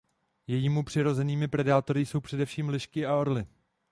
Jejímu přirozenými predátory jsou především lišky a orli.